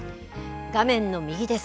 画面の右です。